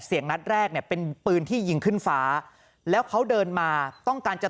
เสียงเล่าตกนั้นให้น่ะเป็นปืนที่ยิงขึ้นฝาแล้วเขาเดินมาต้องการจะ